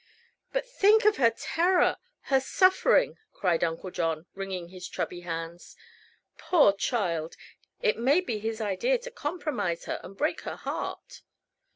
"But think of her terror her suffering!" cried Uncle John, wringing his chubby hands. "Poor child! It may be his idea to compromise her, and break her heart!"